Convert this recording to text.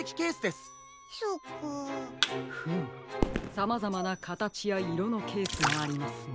さまざまなかたちやいろのケースがありますね。